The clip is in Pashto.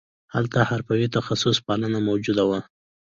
هلته حرفوي تخصص پالنه موجود وو